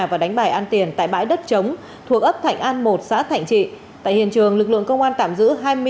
và đánh bài ăn tiền tại bãi đất chống thuộc ấp thành an một xã thành trị